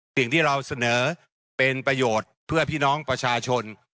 สิ่งที่เราเสนอเป็นประโยชน์เพื่อพี่น้องประชาชน